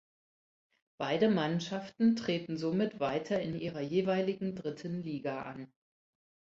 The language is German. Beide Mannschaften treten somit weiter in ihrer jeweiligen dritten Liga an.